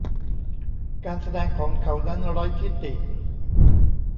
การแสดงของเขานั้นไร้ที่ติ